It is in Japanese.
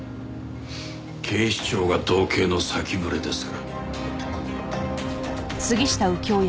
警視庁が道警の先触れですか？